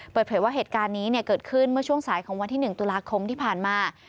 เปิดเผยว่าเหตุการณ์นี้เกิดขึ้นเมื่อช่วงสายของวันที่๑ตุลาคมที่ผ่านมา